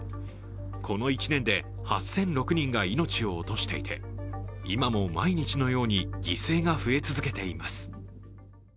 この１年で８００６人が命を落としていて今も毎日のように犠牲が増え続けています。